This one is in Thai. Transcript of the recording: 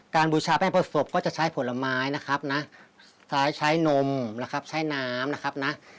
บูชาแป้งผสมก็จะใช้ผลไม้นะครับนะใช้ใช้นมนะครับใช้น้ำนะครับนะ